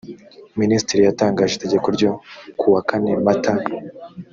minisitiri yatangaje itegeko ryo kuwa kane mata